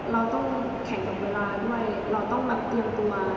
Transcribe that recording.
เราต้องแข่งกับเวลาด้วยเราต้องแบบเตรียมตัว